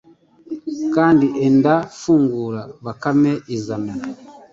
kandi endafungura !» Bakame izana